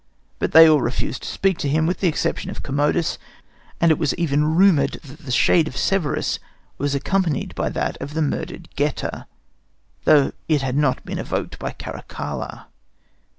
But they all refused to speak to him, with the exception of Commodus; and it was even rumoured that the shade of Severus was accompanied by that of the murdered Geta, though it had not been evoked by Caracalla.